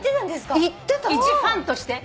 一ファンとして？